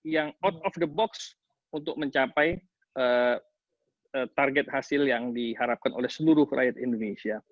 yang out of the box untuk mencapai target hasil yang diharapkan oleh seluruh rakyat indonesia